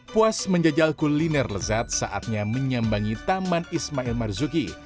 puas menjajal kuliner lezat saatnya menyambangi taman ismail marzuki